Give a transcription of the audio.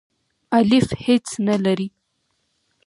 الیف هیڅ نه لری.